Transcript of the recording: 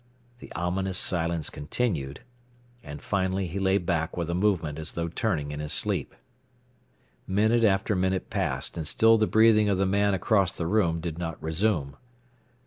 The ominous silence continued, and finally he lay back with a movement as though turning in his sleep. Minute after minute passed, and still the breathing of the man across the room did not resume.